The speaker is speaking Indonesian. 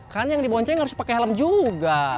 kan yang dibonceng harus pakai helm juga